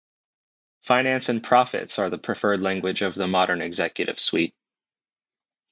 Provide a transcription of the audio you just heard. Finance and profits are the preferred language of the modern executive suite.